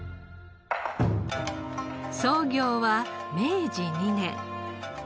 創業は明治２年。